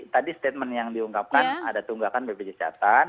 tadi statement yang diungkapkan ada tunggakan bpjs kesehatan